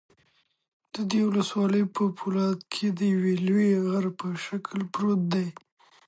د دې ولسوالۍ په فولادي کې د یوه لوی غره په شکل پروت دى